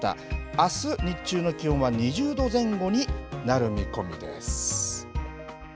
あす日中の気温は２０度前後になる見込みです。